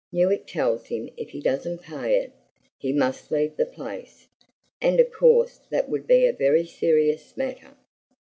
Newick tells him if he doesn't pay it, he must leave the place; and of course that would be a very serious matter.